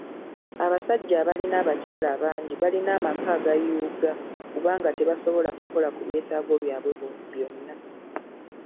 Abasajja abalina abakyala abangi balina amaka agayuuga kubanga tebasobola kukola ku byetaago byabwe bonna.